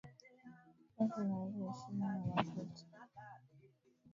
Kazi inaleta heshima na makuta